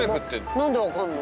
何で分かんの？